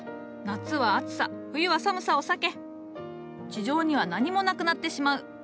夏は暑さ冬は寒さを避け地上には何もなくなってしまう。